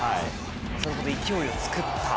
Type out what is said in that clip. それほど勢いを作った？